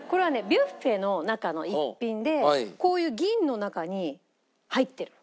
ビュッフェの中の一品でこういう銀の中に入ってる。